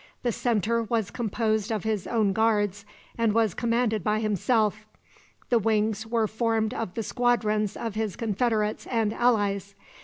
The centre was composed of his own guards, and was commanded by himself. The wings were formed of the squadrons of his confederates and allies.